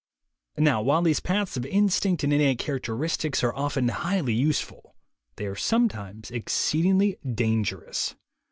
Now while these paths of instinct and innate characteristics are often highly useful, they are sometimes exceedingly dangerous.